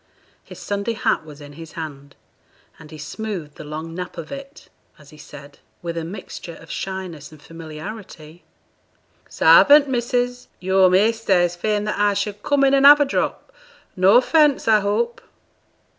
His Sunday hat was in his hand, and he smoothed the long nap of it, as he said, with a mixture of shyness and familiarity 'Sarvant, missus. Yo'r measter is fain that I should come in an' have a drop; no offence, I hope?'